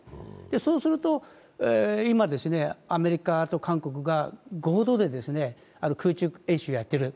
そうすると今、アメリカと韓国が合同で空中演習をやっている。